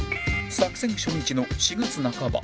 作戦初日の４月半ば